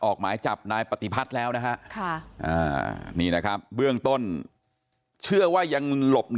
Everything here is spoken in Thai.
หมายจับนายปฏิพัฒน์แล้วนะฮะนี่นะครับเบื้องต้นเชื่อว่ายังหลบหนี